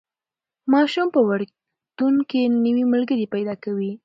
ماسوم په وړکتون کې نوي ملګري پیدا کوي.